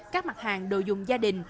các mặt hàng đồ dùng gia đình